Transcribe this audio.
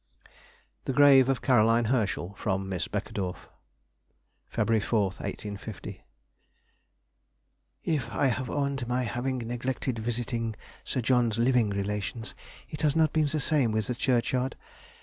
THE GRAVE OF CAROLINE HERSCHEL. FROM MISS BECKEDORFF. Feb. 4, 1850. "... If I have owned my having neglected visiting Sir John's living relations, it has not been the same with the churchyard.